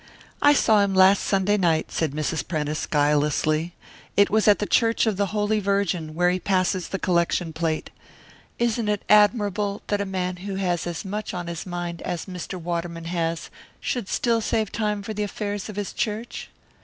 "I saw him last Sunday night," said Mrs. Prentice, guilelessly. "It was at the Church of the Holy Virgin, where he passes the collection plate. Isn't it admirable that a man who has as much on his mind as Mr. Waterman has, should still save time for the affairs of his church?"